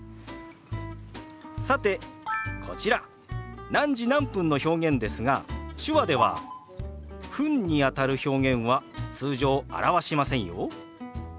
さてこちら「何時何分」の表現ですが手話では「分」にあたる表現は通常表しませんよ。